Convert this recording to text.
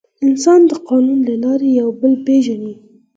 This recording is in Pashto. انسان د قانون له لارې یو بل پېژني.